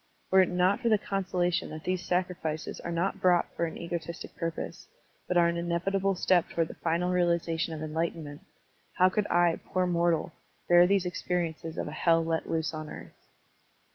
Were it not for the consolation that these sacrifices are not brought for an egotistic purpose, but are an inevitable step toward the final realization of enlightenment. Digitized by Google AT THE BATTLE OP NAN SHAN HILL 203 how could I, poor mortal, bear these experiences of a hell let loose on earth?